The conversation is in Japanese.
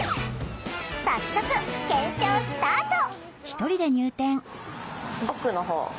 早速検証スタート！